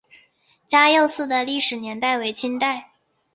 嘉佑寺的历史年代为清代。